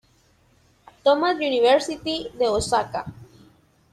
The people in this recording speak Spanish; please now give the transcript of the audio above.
Thomas University", de Osaka.